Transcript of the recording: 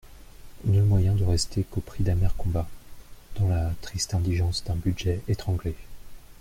Nul moyen de rester qu'au prix d'amers combats, dans la triste indigence d'un budget étranglé.